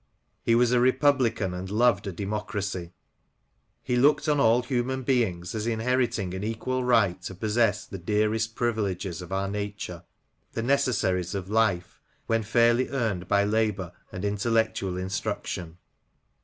He was a republican, and loved a democracy. He looked on all human beings as in heriting an equal right to possess the dearest privileges of our nature, the necessaries of life, when fairly earned by labour and intellectual instruction.